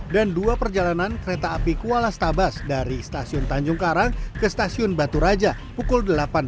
dan dua perjalanan kereta api kuala stabas dari stasiun tanjung karang ke stasiun batu raja pukul delapan tiga puluh